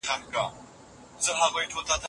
حقیقت تل تر باطل ښکاره او روښانه وي.